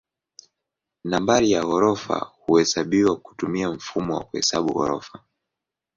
Nambari ya ghorofa huhesabiwa kutumia mfumo wa kuhesabu ghorofa.